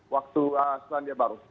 waktu selandia baru